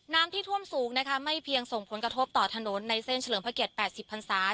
น้ำที่ท่วมสูงนะคะไม่เพียงส่งผลกระทบต่อถนนในเส้นเฉลิมผลเก็ตแปดสิบพันธ์ศาสตร์